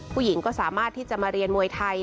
ผู้หญิงก็สามารถที่จะมาเรียนมวยไทย